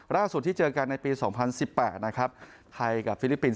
ล่าสุดที่เจอกันในปีสองพันสิบแปดนะครับไทยกับฟิลิปปินส์